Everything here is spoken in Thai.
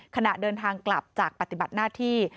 ขณะเดินทางกลับจากปฏิบัติหน้าที่